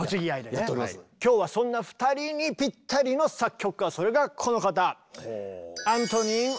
今日はそんな２人にぴったりの作曲家それがこの方！